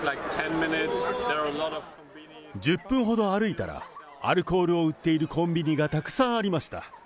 １０分ほど歩いたら、アルコールを売っているコンビニがたくさんありました。